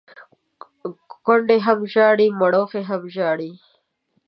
کونډي هم ژاړي ، مړوښې هم ژاړي.